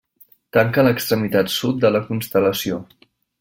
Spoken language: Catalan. Tanca l'extremitat sud de la constel·lació.